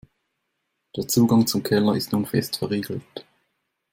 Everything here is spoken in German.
Der Zugang zum Keller ist nun fest verriegelt.